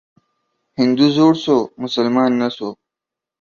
هندو زوړ سو ، مسلمان نه سو.